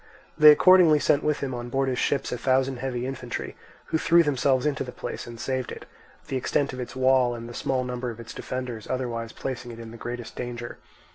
They accordingly sent with him on board his ships a thousand heavy infantry, who threw themselves into the place and saved it; the extent of its wall and the small number of its defenders otherwise placing it in the greatest danger.